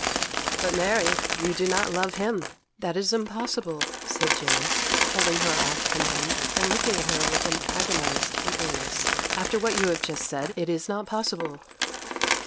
'But, Mary! you do not love him! That is impossible!' said James, holding her off from him, and looking at her with an agonized eagerness. 'After what you have just said, it is not possible.